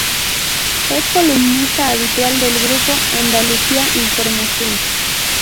Es columnista habitual del Grupo Andalucia Información.